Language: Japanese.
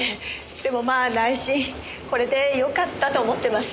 でもまあ内心これで良かったと思ってます。